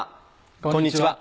こんにちは。